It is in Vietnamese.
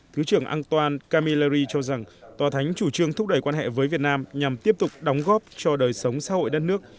thứ trưởng antoine camilleri cho rằng tòa thánh chủ trương thúc đẩy quan hệ với việt nam nhằm tiếp tục đóng góp cho đời sống xã hội đất nước